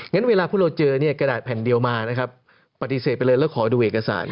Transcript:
งั้นเวลาพวกเราเจอเนี่ยกระดาษแผ่นเดียวมานะครับปฏิเสธไปเลยแล้วขอดูเอกสาร